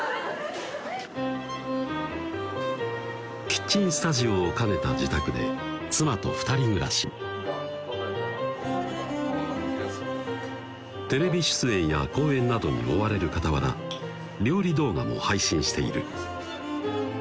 キッチンスタジオを兼ねた自宅で妻と２人暮らしテレビ出演や講演などに追われるかたわら料理動画も配信している